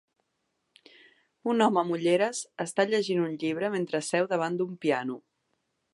Un home amb ulleres està llegint un llibre mentre seu davant d'un piano.